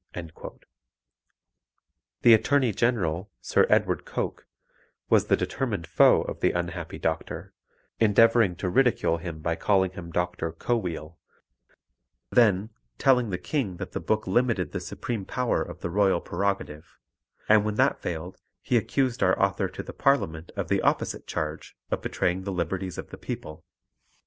The Attorney General, Sir Edward Coke, was the determined foe of the unhappy doctor, endeavouring to ridicule him by calling him Dr. Cowheel; then, telling the King that the book limited the supreme power of the royal prerogative; and when that failed, he accused our author to the Parliament of the opposite charge of betraying the liberties of the people.